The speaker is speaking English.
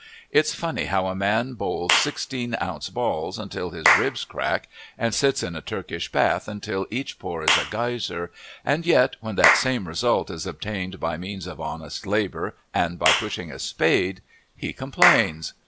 It's funny how a man bowls sixteen ounce balls until his ribs crack and sits in a Turkish bath until each pore is a geyser, and yet when that same result is obtained by means of honest labor and by pushing a spade, he complains.